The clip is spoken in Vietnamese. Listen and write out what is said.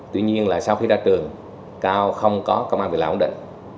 tuy nhiên là sau khi ra trường cao không có công an về lão ổn định